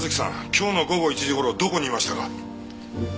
今日の午後１時ごろどこにいましたか？